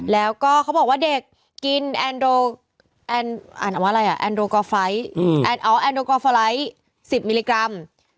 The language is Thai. แล้วก็เขาบอกว่าเด็กกินแอนโดรกราฟไลต์๑๐มิลลิกรัม